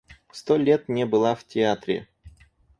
Сто лет не была в театре.